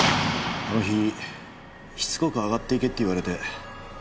あの日しつこく上がっていけって言われて。